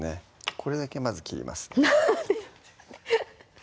これだけまず切ります